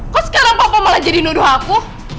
kok sekarang aku malah jadi nuduh aku